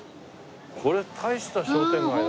これ大した商店街だなあ。